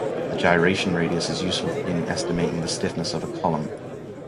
The gyration radius is useful in estimating the stiffness of a column.